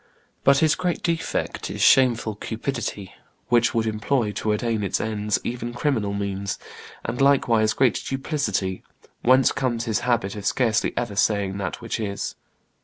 But his great defect is shameful cupidity, which would employ, to attain its ends, even criminal means, and likewise great duplicity, whence comes his habit of scarcely ever saying that which is.